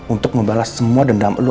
untuk membalas semua dendam